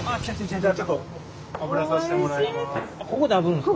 ここであぶるんですか？